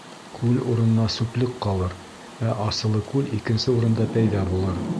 Күл урынына сүплек ҡалыр, ә Асылыкүл икенсе урында пәйҙә булыр.